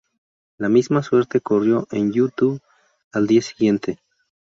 La misma suerte corrió en YouTube al día siguiente.